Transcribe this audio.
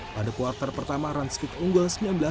pada kuartal pertama ranspik unggul sembilan belas delapan belas